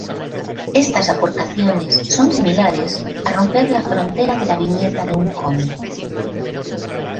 Estas aportaciones son similares a romper la frontera de la viñeta de un cómic.